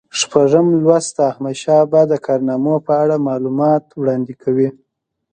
شپږم لوست د احمدشاه بابا د کارنامو په اړه معلومات وړاندې کوي.